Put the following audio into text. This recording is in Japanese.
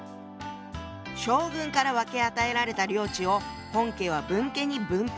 将軍から分け与えられた領地を本家は分家に分配。